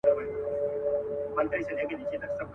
ما یې په غېږه کي ګُلونه غوښتل.